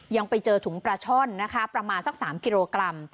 ยังไปเจอถุงปลาช่อนนะคะประมาณสัก๓กิโลกรัม